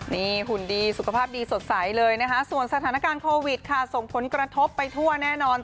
นี่หุ่นดีสุขภาพดีสดใสเลยนะคะส่วนสถานการณ์โควิดค่ะส่งผลกระทบไปทั่วแน่นอน